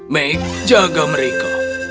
meg jaga mereka